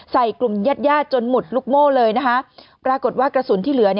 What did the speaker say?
ใส่กลุ่มแยดจนหมุดลูกโม้เลยปรากฏว่ากระสุนที่เหลือ